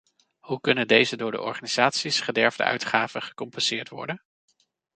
Hoe kunnen deze door de organisaties gederfde uitgaven gecompenseerd worden?